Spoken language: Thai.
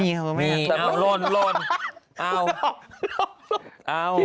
มีครับมีอ้าวหล่นหล่นอ้าวหล่นหล่น